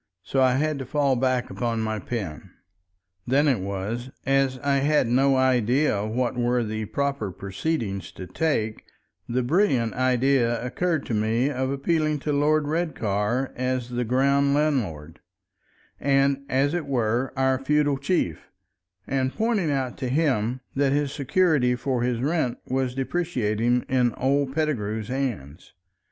So I had to fall back upon my pen. Then it was, as I had no idea what were the proper "proceedings" to take, the brilliant idea occurred to me of appealing to Lord Redcar as the ground landlord, and, as it were, our feudal chief, and pointing out to him that his security for his rent was depreciating in old Pettigrew's hands.